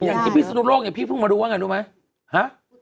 อย่างที่พิษณุโลกเนี่ยพี่พึ่งมาดูว่าไงดูไหม